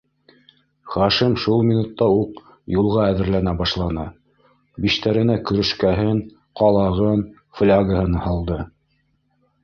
Хашим шул минутта уҡ юлға әҙерләнә башланы: биштәренә көрөшкәһен, ҡалағын, флягаһын һалды.